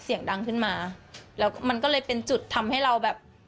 เสียงดังขึ้นมาแล้วมันก็เลยเป็นจุดทำให้เราแบบ